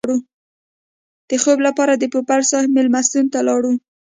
د خوب لپاره د پوپل صاحب مېلمستون ته لاړو.